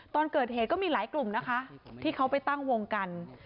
ตอนเกิดเหตุก็มีหลายกลุ่มนะคะที่เขาไปตั้งวงกัน